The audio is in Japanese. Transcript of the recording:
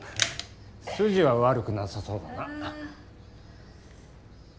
筋は悪くなさそうだな。